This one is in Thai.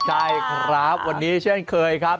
ใช่ครับวันนี้เช่นเคยครับ